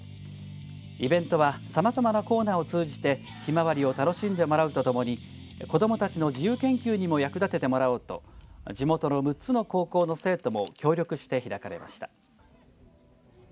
イベントはさまざまなコーナーを通じてヒマワリを楽しんでもらうとともに子どもたちの自由研究にも役立ててもらおうと地元の６つの高校の生徒も協力して開かれました。